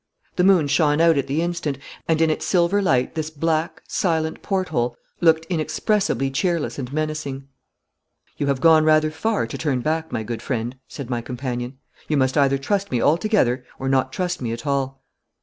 The moon shone out at the instant, and in its silver light this black, silent porthole looked inexpressibly cheerless and menacing. 'You have gone rather far to turn back, my good friend,' said my companion. 'You must either trust me altogether or not trust me at all.'